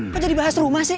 kok jadi bahas rumah sih